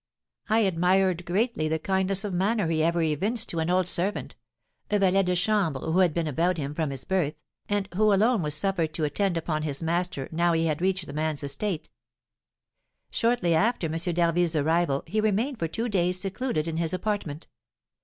I admired greatly the kindness of manner he ever evinced to an old servant, a valet de chambre who had been about him from his birth, and who alone was suffered to attend upon his master now he had reached man's estate. Shortly after M. d'Harville's arrival he remained for two days secluded in his apartment.